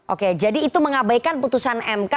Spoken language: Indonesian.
oke jadi itu mengabaikan putusan mk